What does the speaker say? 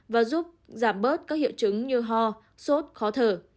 và giúp giảm bớt các hiệu chứng như ho sốt khó thở